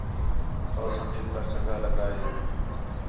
تَوساں مِل کر چَنڳا لڳا ہے